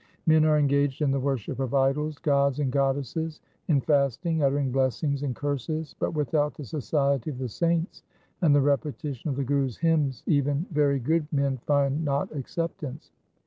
Men are engaged in the worship of idols, gods, and goddesses, in fasting, uttering blessings and curses, but without the society of the saints and the repetition of the Guru's hymns even very good men find not acceptance.